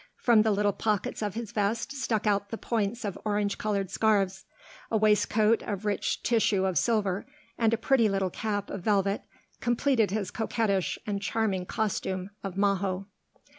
From the little pockets of his vest stuck out the points of orange colored scarfs. A waistcoat of rich tissue of silver and a pretty little cap of velvet completed his coquettish and charming costume of majo.